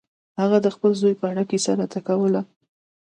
هغه د خپل زوی په اړه کیسه راته کوله.